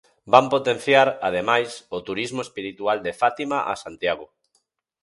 Van potenciar, ademais, o turismo espiritual de Fátima a Santiago.